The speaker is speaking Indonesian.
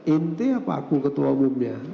inti apa aku ketua umumnya